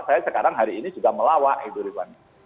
saya sekarang hari ini juga melawak itu rifani